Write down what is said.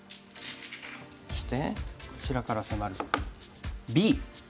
そしてこちらから迫るＢ。